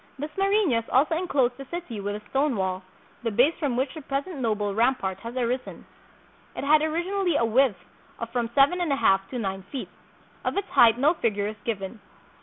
Dasmarinas also inclosed the city with a stone wall, the base from which the present noble rampart has arisen. It had originally a width of from seven and a half to nine feet. Of its height no figure is given.